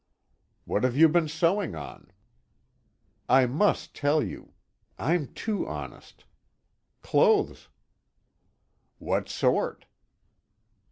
"What have you been sewing on?" "I must tell you. (I'm too honest.) Clothes." "What sort?"